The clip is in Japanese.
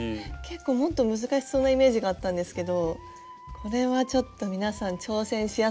結構もっと難しそうなイメージがあったんですけどこれはちょっと皆さん挑戦しやすいかもしれない。